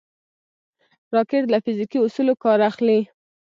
راکټ له فزیکي اصولو کار اخلي